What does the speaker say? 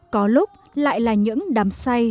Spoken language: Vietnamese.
có lúc lại là những đàm say